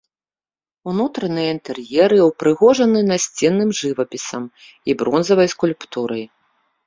Унутраныя інтэр'еры ўпрыгожаны насценным жывапісам і бронзавай скульптурай.